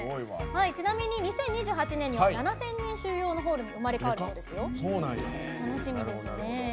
ちなみに２０２８年には７０００人が入るホールに生まれ変わるそうで楽しみですね。